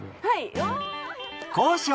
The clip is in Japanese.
はい。